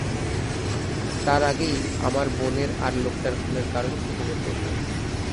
তার আগেই, আমার বোনের আর লোকটার খুনের কারণ খুঁজে বের করব।